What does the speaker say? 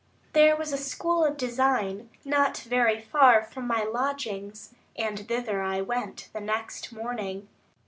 There was a school of design not very far from my lodgings, and thither I went the next morning.